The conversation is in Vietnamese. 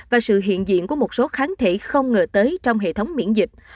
và sự hiện diện của một số kháng thể không ngờ tới trong hệ thống miễn dịch